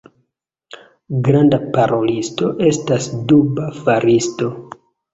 Granda parolisto estas duba faristo.